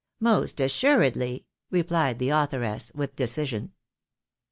" "Most assuredly," replied the authoress, with decision.